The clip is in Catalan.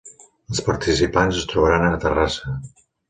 Els participants es trobaran a Terrassa.